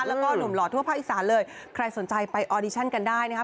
แล้วก็หนุ่มหล่อทั่วภาคอีสานเลยใครสนใจไปออดิชั่นกันได้นะครับ